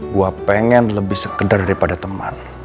gue pengen lebih sekedar daripada teman